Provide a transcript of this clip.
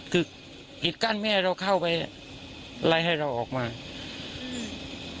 คือปิดกั้นแม่เราเข้าไปไล่ให้เราออกมาอืม